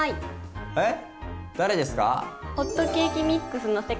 え⁉誰ですか？